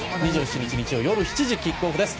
２７日、日曜夜７時キックオフです。